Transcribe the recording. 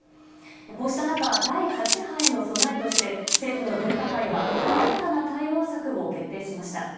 こうした中、第８波への備えとして、政府の分科会は、新たな対応策を決定しました。